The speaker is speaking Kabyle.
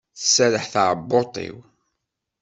Tserreḥ teɛbuḍt-iw.